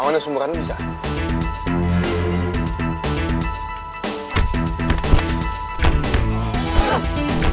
awalnya sumberannya bisa kan